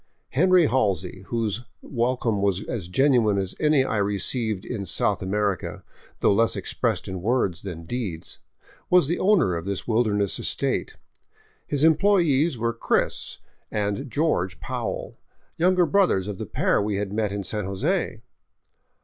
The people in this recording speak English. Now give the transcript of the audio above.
Henry Halsey, whose welcome was as genuine as any I received in South America, though less expressed in words than deeds, was owner of this wilderness estate ; his employees were " Chris " and George Powell, younger brothers of the pair we had met in San Jose.